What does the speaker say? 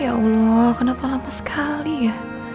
ya allah kenapa lama sekali ya